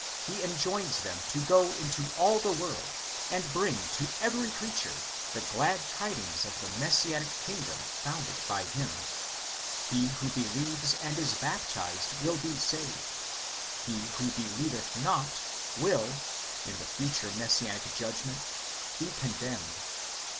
he en joins them to go into all the world and bring to every creature the glad " tidings of the messianic kingdom founded by him; he who believes and is baptized will be saved, he who believeth not, will (in the future messianic judgment) be condemned.